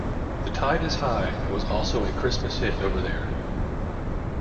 "The Tide Is High" was also a Christmas hit over there.